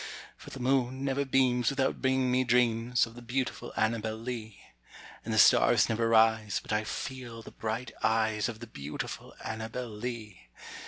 For the moon never beams without bringing me dreams Of the beautiful Annabel Lee, And the stars never rise but I feel the bright eyes Of the beautiful Annabel Lee.